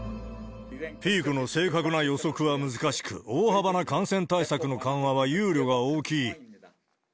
ピークの正確な予測は難しく、大幅な感染対策の緩和は憂慮が大きい。